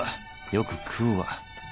よく食うわ。